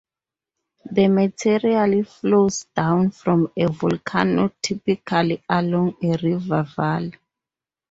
The material flows down from a volcano, typically along a river valley.